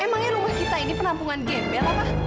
emang rumah kita ini penampungan gembel pak